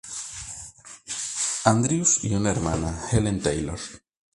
Andrews, y una hermana, Helen Taylor.